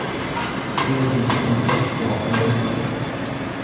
یجب ان تبقی الی الخلف.